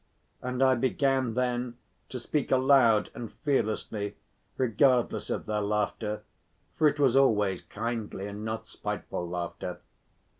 And I began then to speak aloud and fearlessly, regardless of their laughter, for it was always kindly and not spiteful laughter.